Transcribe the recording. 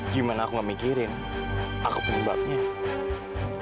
gimana aku gak mikirin aku penyebabnya